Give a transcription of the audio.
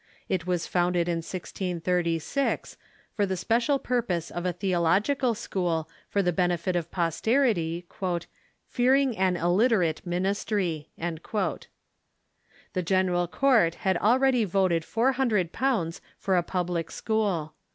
It was founded in 1636, for the special purpose of a theological school, for the benefit of posterity, " fearing an illiterate ministry," The Gen eral Court had already voted four hundred pounds for a public school.